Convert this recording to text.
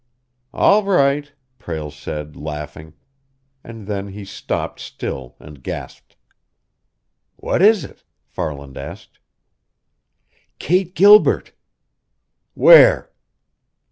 "All right," Prale said, laughing; and then he stopped still and gasped. "What is it?" Farland asked. "Kate Gilbert!" "Where?"